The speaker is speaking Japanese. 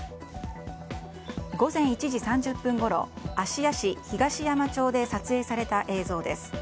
午前１時３０分ごろ芦屋市東山町で撮影された映像です。